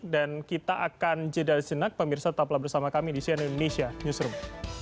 dan kita akan jeda senak pemirsa taplah bersama kami di cnn indonesia newsroom